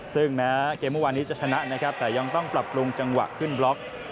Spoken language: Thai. ซึ่งแม้เกมเมื่อวานนี้จะชนะนะครับแต่ยังต้องปรับปรุงจังหวะขึ้นบล็อก